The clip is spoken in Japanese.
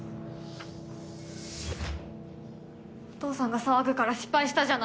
お父さんが騒ぐから失敗したじゃない。